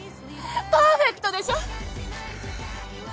パーフェクトでしょ！？